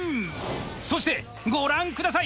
そしてご覧下さい。